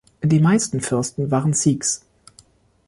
Die meisten Fürsten waren Sikhs.